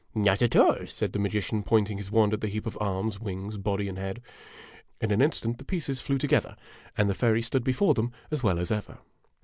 " Not at all," said the magician, pointing his wand at the heap of arms, wings, body, and head. In an instant the pieces flew to gether, and the fairy stood before them as well as ever.